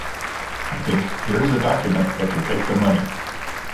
I think here is a document that can take the money.